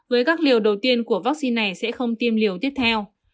với các liều đầu tiên của vaccine này sẽ không tiêm liều tiếp theo